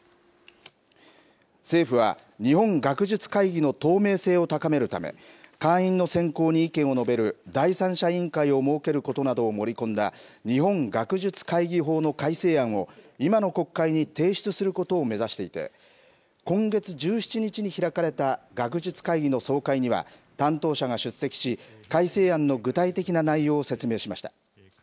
政府は日本学術会議の透明性を高めるため会員の選考に意見を述べる第三者委員会を設けることなどを盛り込んだ日本学術会議法の改正案を今の国会に提出することを目指していて今月１７日に開かれた学術会議の総会に担当者が出席し、改正案の具体的な内容を説明しました。